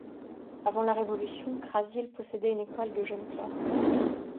Avant la Révolution, Crasville possédait une école de jeunes clercs.